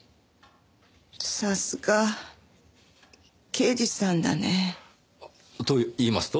さすが刑事さんだね。と言いますと？